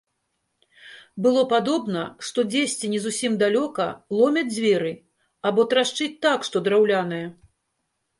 Было падобна, што дзесьці, не зусім далёка, ломяць дзверы або трашчыць так што драўлянае.